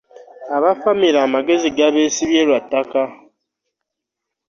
Abaffamire amagezi gabeesibye lwa ttaka.